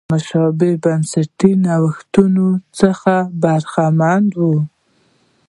له مشابه بنسټي نوښتونو څخه برخمنه وه.